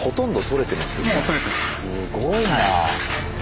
すごいな。